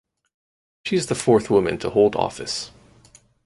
She is the fourth woman to hold the office.